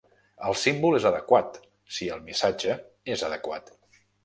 El símbol és adequat si el missatge és adequat.